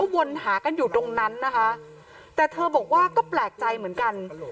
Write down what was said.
วนหากันอยู่ตรงนั้นนะคะแต่เธอบอกว่าก็แปลกใจเหมือนกัน